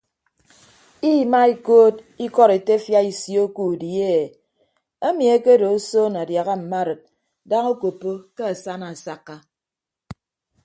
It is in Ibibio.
Imaa ekood ikọd etefia isio ke udi e emi akedo osoon adiaha mma arid daña okoppo ke asana asakka.